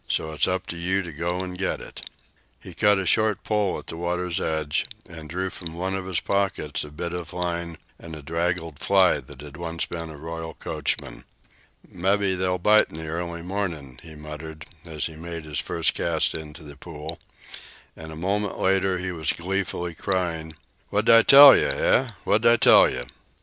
So it's up to you to go an' get it." He cut a short pole at the water's edge and drew from one of his pockets a bit of line and a draggled fly that had once been a royal coachman. "Mebbe they'll bite in the early morning," he muttered, as he made his first cast into the pool. And a moment later he was gleefully crying: "What'd I tell you, eh? What'd I tell you?"